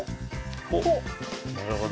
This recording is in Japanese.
なるほど。